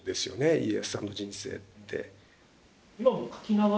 家康さんの人生って。